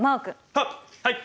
はっはい！